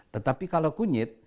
tetapi kalau kunyit